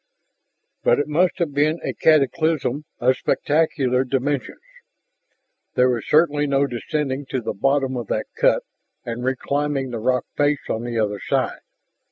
But it must have been a cataclysm of spectacular dimensions. There was certainly no descending to the bottom of that cut and reclimbing the rock face on the other side.